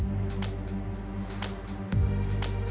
semua base nya udahhip sampe siku aja